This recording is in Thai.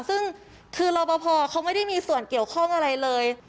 ซึ่งคือรอปภเขาไม่ได้มีส่วนเกี่ยวข้องอะไรเลย